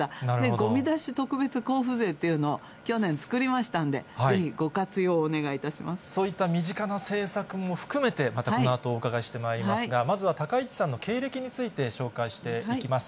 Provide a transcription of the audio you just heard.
ごみ出し特別交付税というのを去年作りましたんで、ぜひご活用をそういった身近な政策も含めて、またこのあと、お伺いしてまいりますが、まずは高市さんの経歴について紹介していきます。